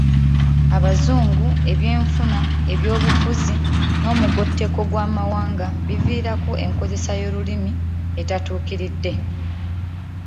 Abazungu, ebyenfuna, ebyobufuzi n'omugotteko gw'amawanga biviirako enkozesa y'olulimi etatuukiridde.